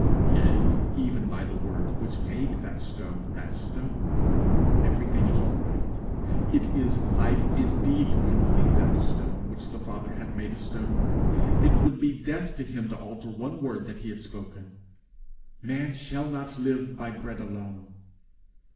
Yea even by the word which made that stone that stone. Everything is all right. It is life indeed for him to leave that a stone, which the Father had made a stone. It would be death to him to alter one word that He had spoken. "Man shall not live by bread alone."